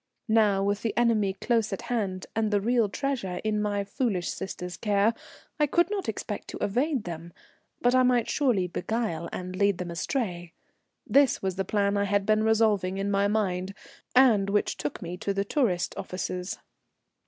Now, with the enemy close at hand, and the real treasure in my foolish sister's care, I could not expect to evade them, but I might surely beguile and lead them astray. This was the plan I had been revolving in my mind, and which took me to the tourist offices.